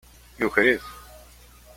Yuker-it.